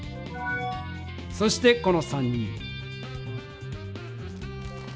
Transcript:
そしてこの３人。